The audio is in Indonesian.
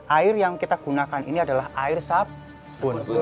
air yang kita gunakan ini adalah air sabun